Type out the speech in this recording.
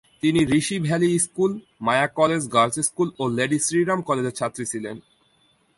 তিনি Rishi valley school, Maya college girls school ও lady Shri Ram কলেজের ছাত্রী ছিলেন।